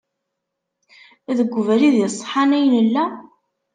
Deg webrid iṣeḥḥan ay nella?